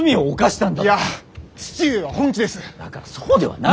だからそうではない！